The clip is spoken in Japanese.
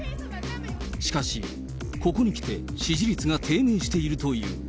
しかし、ここにきて支持率が低迷しているという。